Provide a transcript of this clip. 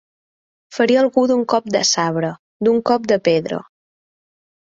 Ferir algú d'un cop de sabre, d'un cop de pedra.